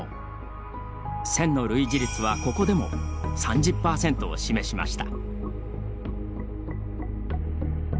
線の類似率はここでも３０％を示しました。